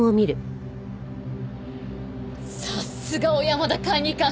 さすが小山田管理官！